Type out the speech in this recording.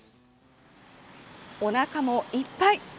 おなかもいっぱい！